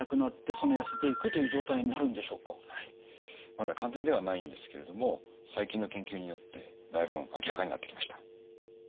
まだ完全ではないんですけれども最近の研究によってだいぶ明らかになってきました。